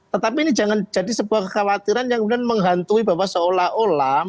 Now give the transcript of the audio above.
tetapi ini jangan jadi sebuah kekhawatiran yang kemudian menghantui bahwa seolah olah